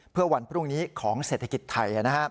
เพื่อวันพรุ่งนี้ของเศรษฐกิจไทย